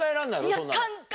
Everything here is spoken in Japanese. そんなの。